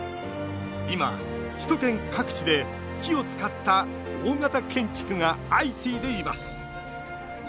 今、首都圏各地で木を使った大型建築が相次いでいます。